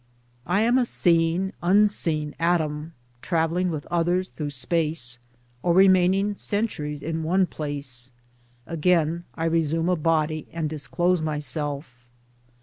I am a seeing unseen atom traveling with others through space or remaining centuries in one place ; again I resume a body and disclose myself.